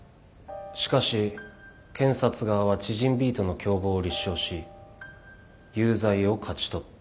しかし検察側は知人Ｂとの共謀を立証し有罪を勝ち取った。